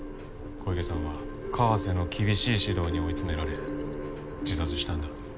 小池さんは川瀬の厳しい指導に追い詰められ自殺したんだ。